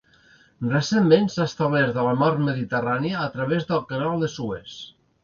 Recentment s'ha establert a la Mar Mediterrània a través del Canal de Suez.